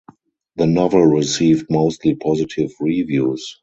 The novel received mostly positive reviews.